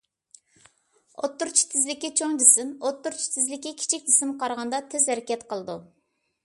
ئوتتۇرىچە تېزلىكى چوڭ جىسىم ئوتتۇرىچە تېزلىكى كىچىك جىسىمغا قارىغاندا تېز ھەرىكەت قىلىدۇ.